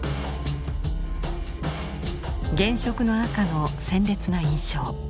原色の赤の鮮烈な印象。